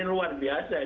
ini luar biasa ini